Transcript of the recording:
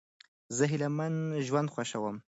زه هیلهمن ژوند خوښوم.